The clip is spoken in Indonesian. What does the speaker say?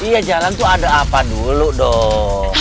iya jalan tuh ada apa dulu dong